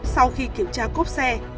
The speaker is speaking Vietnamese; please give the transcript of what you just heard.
sau khi kiểm tra cốp xe